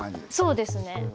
そうですね。